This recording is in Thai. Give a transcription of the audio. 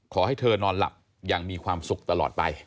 ขอให้เธอนอนหลับอย่างมีความสุขตลอดไป